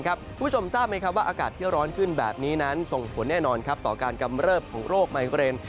คุณผู้ชมทราบไหมครับว่าอากาศที่ร้อนขึ้นแบบนี้นั้นส่งผลแน่นอนต่อการกำเริบของโรคไมเกรน